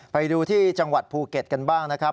ไปดูที่จังหวัดภูเก็ตกันบ้างนะครับ